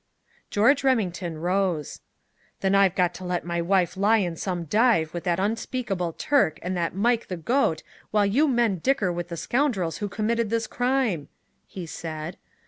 George Remington rose. "Then I've got to let my wife lie in some dive with that unspeakable Turk and that Mike the Goat while you men dicker with the scoundrels who committed this crime!" he said.